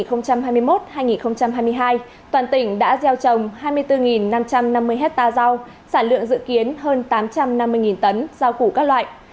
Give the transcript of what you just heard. toàn tỉnh đã gieo trồng hai mươi bốn năm trăm năm mươi ha rau sản lượng dự kiến hơn tám trăm năm mươi tấn rau củ các loại